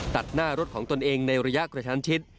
ตัดหน้ารถของตนเองในระยะกระชั้นชิด